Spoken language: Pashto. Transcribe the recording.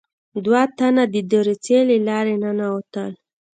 دوه تنه د دريڅې له لارې ننوتل.